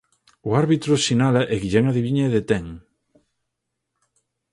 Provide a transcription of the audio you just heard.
O árbitro sinala e Guillén adiviña e detén.